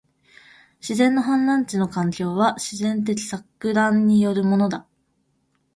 自然の氾濫地の環境は、自然的撹乱によるものだ